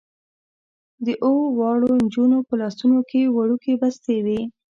د اوو واړو نجونو په لاسونو کې وړوکې بستې وې.